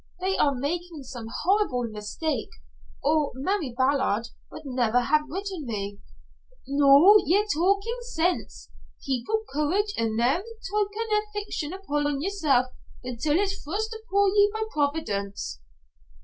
They are making some horrible mistake, or Mary Ballard would never have written me." "Noo ye're talkin' sense. Keep up courage an' never tak an' affliction upo' yersel' until it's thrust upo' ye by Providence."